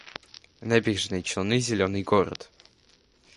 Набережные Челны — зелёный город